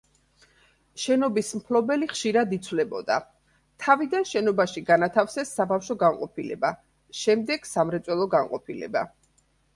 შენობის მფლობელი ხშირად იცვლებოდა, თავიდან შენობაში განათავსეს საბავშვო განყოფილება, შემდეგ სამრეწველო განყოფილება.